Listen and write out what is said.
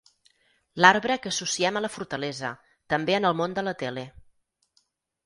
L'arbre que associem a la fortalesa, també en el món de la tele.